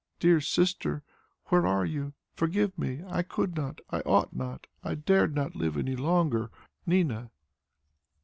"DEAR SISTER, "Where are you? Forgive me! I could not, I ought not, I dared not live any longer. "NINA."